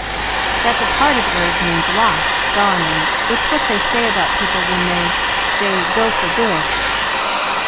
That 'departed' word means lost, gone, and it's what they say about people when they they go for good.